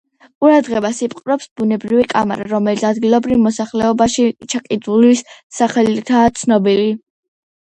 ყურადღებას იპყრობს ბუნებრივი კამარა, რომელიც ადგილობრივ მოსახლეობაში „ჩაკიდულის“ სახელითაა ცნობილი.